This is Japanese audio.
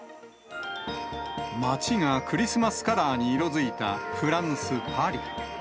街がクリスマスカラーに色づいたフランス・パリ。